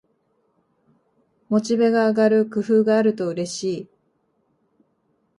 モチベが上がる工夫があるとうれしい